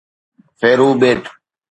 Pharaoh ٻيٽ